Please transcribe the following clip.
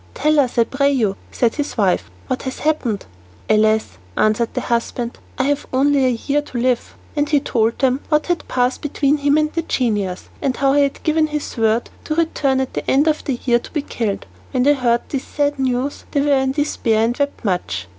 "Tell us, I pray you," said his wife, "what has happened." "Alas!" answered her husband, "I have only a year to live." Then he told them what had passed between him and the genius, and how he had given his word to return at the end of a year to be killed. When they heard this sad news they were in despair, and wept much.